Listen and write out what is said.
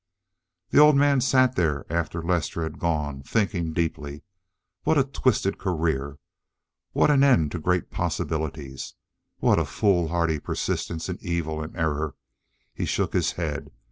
The old man sat there after Lester had gone, thinking deeply. What a twisted career! What an end to great possibilities? What a foolhardy persistence in evil and error! He shook his head.